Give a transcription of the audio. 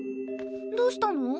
どうしたの？